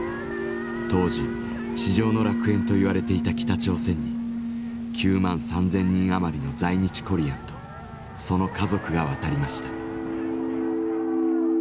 当時「地上の楽園」といわれていた北朝鮮に９万３，０００人余りの在日コリアンとその家族が渡りました。